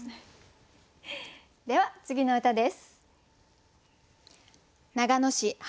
では次の歌です。